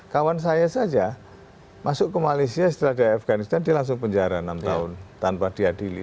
kawan saya saja masuk ke malaysia setelah di afganistan dia langsung penjara enam tahun tanpa diadili